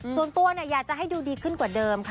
ส่วนตัวอยากจะให้ดูดีขึ้นกว่าเดิมค่ะ